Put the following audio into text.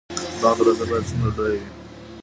د باغ دروازه باید څومره لویه وي؟